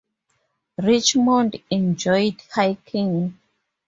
Richmond enjoyed hiking.